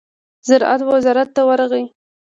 زراعت وزارت ته ورغی.